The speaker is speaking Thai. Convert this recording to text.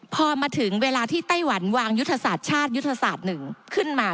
พอมาถึงเวลาที่ไต้หวันวางยุทธศาสตร์ชาติยุทธศาสตร์หนึ่งขึ้นมา